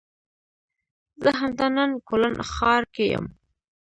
زه همدا نن کولن ښار کې یم